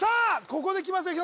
ここできますよ